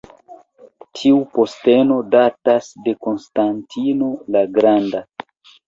Tiu posteno datas de Konstantino la Granda.